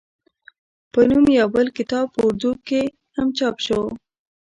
پۀ نوم يو بل کتاب پۀ اردو کښې هم چاپ شو